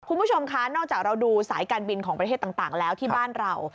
คุณผู้ชมคะนอกจากเราดูสายการบินของประเทศต่างแล้วที่บ้านเรา